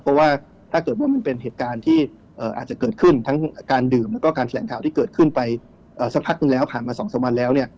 เพราะว่าถ้าเกิดว่ามันเป็นเหตุการณ์ที่อาจจะเกิดขึ้นทั้งการดื่มแล้วก็การแถลงข่าวที่เกิดขึ้นไปสักพักหนึ่งแล้วผ่านมา๒๓วันแล้ว